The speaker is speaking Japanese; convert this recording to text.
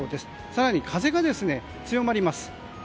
更に風が強まります。